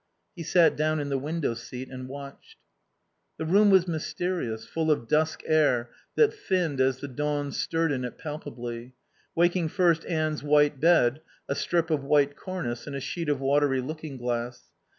He sat down in the window seat and watched. The room was mysterious, full of dusk air that thinned as the dawn stirred in it palpably, waking first Anne's white bed, a strip of white cornice and a sheet of watery looking glass.